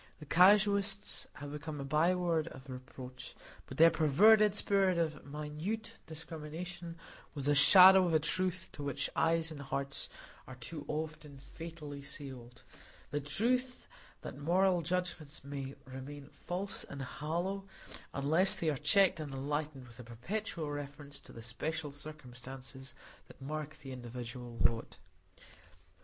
The casuists have become a byword of reproach; but their perverted spirit of minute discrimination was the shadow of a truth to which eyes and hearts are too often fatally sealed,—the truth, that moral judgments must remain false and hollow, unless they are checked and enlightened by a perpetual reference to the special circumstances that mark the individual lot.